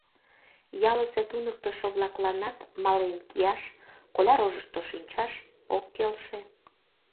Ялысе туныктышо-влакланат «мален кияш», «коля рожышто шинчаш» ок келше.